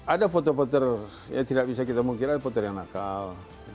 ada voter voter yang tidak bisa kita mengkira voter yang nakal